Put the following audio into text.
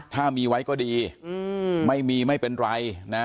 ถ้ามีไว้ก็ดีไม่มีไม่เป็นไรนะ